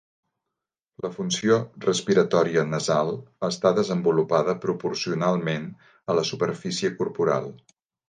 La funció respiratòria nasal està desenvolupada proporcionalment a la superfície corporal.